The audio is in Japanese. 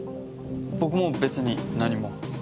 僕も別に何も。